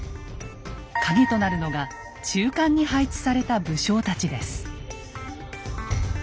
カギとなるのが中間に配置された武将たちです。